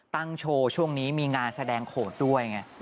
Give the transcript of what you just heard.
โชว์ช่วงนี้มีงานแสดงโขดด้วยไง